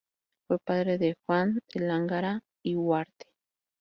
Fue padre de Juan de Lángara y Huarte.